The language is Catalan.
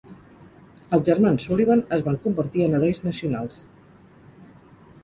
Els germans Sullivan es van convertir en herois nacionals.